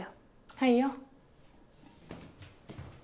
はいよ。